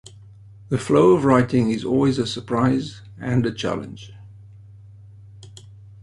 The flow of writing is always a surprise and a challenge.